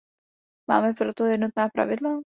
Máme pro to jednotná pravidla?